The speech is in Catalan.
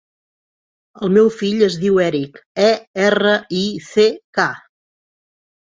El meu fill es diu Erick: e, erra, i, ce, ca.